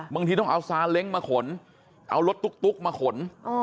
บางทีต้องเอาซาเล้งมาขนเอารถตุ๊กมาขน